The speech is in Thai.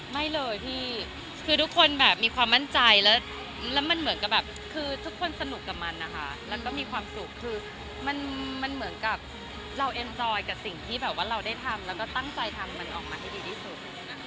ไม่เลยพี่คือทุกคนแบบมีความมั่นใจแล้วมันเหมือนกับแบบคือทุกคนสนุกกับมันนะคะแล้วก็มีความสุขคือมันเหมือนกับเราเอ็นจอยกับสิ่งที่แบบว่าเราได้ทำแล้วก็ตั้งใจทำมันออกมาให้ดีที่สุด